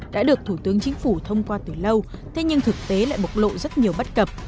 đã được thủ tướng chính phủ thông qua từ lâu thế nhưng thực tế lại bộc lộ rất nhiều bất cập